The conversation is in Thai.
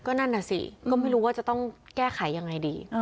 นั่นน่ะสิก็ไม่รู้ว่าจะต้องแก้ไขยังไงดี